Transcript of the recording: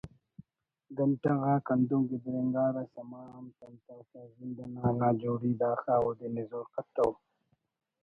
گھنٹہ غاک ہندن گدرینگارہ سما ہم تمتو کہ زند انا ناجوڑی داخہ اودے نزور کتو